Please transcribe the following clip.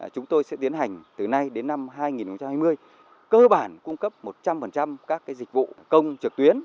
chúng tôi sẽ tiến hành từ nay đến năm hai nghìn hai mươi cơ bản cung cấp một trăm linh các dịch vụ công trực tuyến